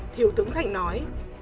thiếu tướng thành nói